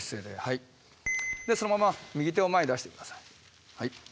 でそのまま右手を前に出して下さい。